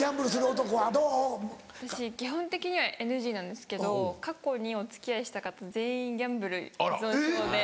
基本的にはＮＧなんですけど過去にお付き合いした方全員ギャンブル依存症で。